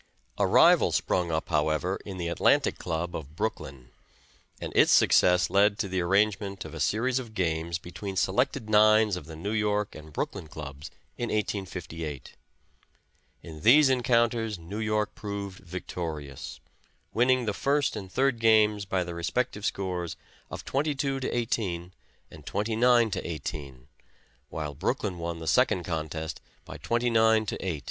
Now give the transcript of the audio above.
A rival sprung up, however, in the Atlantic Club of Brooklyn, and its success led to the arrangement of a series of games between selected nines of the New York and Brooklyn Clubs in 1858. In these encounters New York proved victorious, winning the first and third games by the respective scores of 22 to 18, and 29 to 18, while Brooklyn won the second contest by 29 to 8.